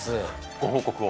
ご報告を？